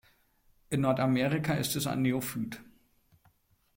In Nordamerika ist es ein Neophyt.